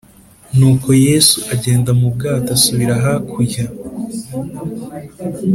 nuko yesu agenda mu bwato asubira hakurya